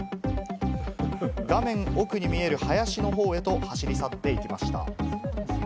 画面奥に見える林のほうへと走り去っていきました。